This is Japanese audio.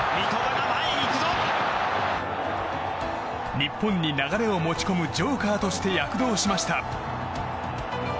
日本に流れを持ち込むジョーカーとして躍動しました。